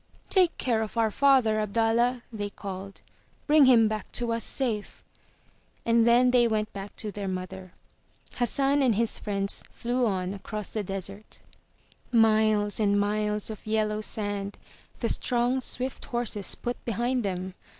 'Take care of our father, Abdallah!" they called. "Bring him back to us safe!" And then they went back to their mother. Hassan and his friends flew on across the desert. 309 MY BOOK HOUSE Miles and miles of yellow sand the strong, swift horses put behind them.